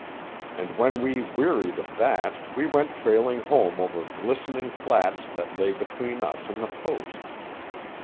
And when we wearied of that we went trailing home over glistening flats that lay between us and the post.